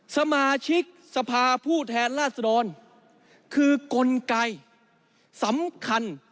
สมาชิกสภาผู้แทนราชดรคือกลไกสำคัญ